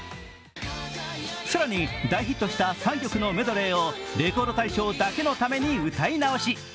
更に大ヒットした３曲のメドレーをレコード大賞だけのために歌い直。